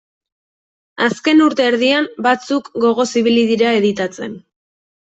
Azken urte erdian batzuk gogoz ibili dira editatzen.